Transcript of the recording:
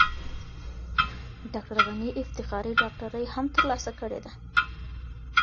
ډاکټر غني افتخاري ډاکټرۍ هم ترلاسه کړې دي.